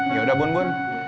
ya udah bun bun